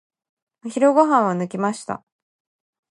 お昼ご飯は抜きました。